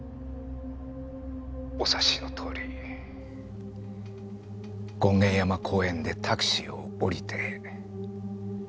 お察しのとおり権現山公園でタクシーを降りて彼女の家に行きました。